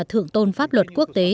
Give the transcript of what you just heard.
hơn pháp luật quốc tế